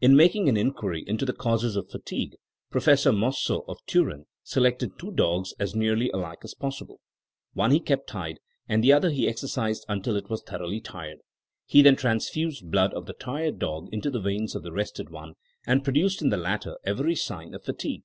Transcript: In making an inquiry into the causes of fatigue. Professor Mosso of Turin selected two dogs as nearly alike as possible. One he kept tied, and the other he exercised until it was thoroughly tired. He then transfused blood of the tired dog into the veins of the rested one, and produced in the latter every sign of fatigue.